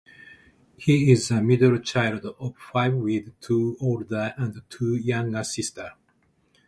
He is the middle child of five with two older and two younger sisters.